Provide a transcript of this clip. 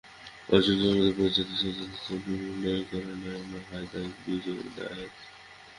অর্জুন চক্রবর্তী পরিচালিত চলচ্চিত্রটিতে অভিনয় করেন নাইমা হায় দার এবং বিজয় চাঁদ মহতাব।